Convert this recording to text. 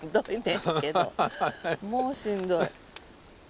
もうしんどい。